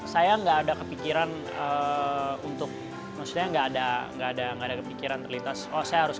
saya nggak ada kepikiran untuk maksudnya nggak ada kepikiran terlintas